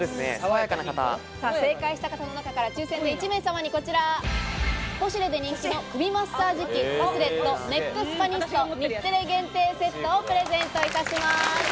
正解した方の中から抽選で１名様にこちら、ポシュレで人気の首マッサージ器「バスレットネックスパニスト日テレ限定セット」をプレゼントいたします。